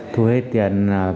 thu hết tiền